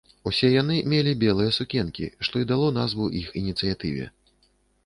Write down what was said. Усе яны мелі белыя сукенкі, што і дало назву іх ініцыятыве.